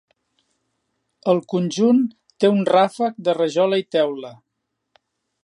El conjunt té un ràfec de rajola i teula.